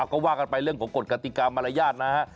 ก็ว่ากันไปเรื่องของกฎกติกรรมมารยาทนะฮะ